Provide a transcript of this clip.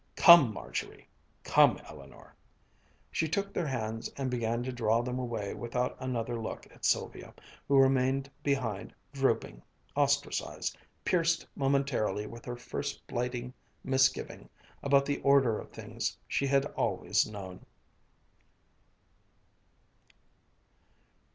Come, Margery; come, Eleanor." She took their hands and began to draw them away without another look at Sylvia, who remained behind, drooping, ostracised, pierced momentarily with her first blighting misgiving about the order of things she had always known.